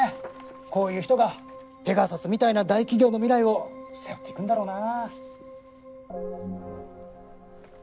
こういう人がペガサスみたいな大企業の未来を背負っていくんだろうな。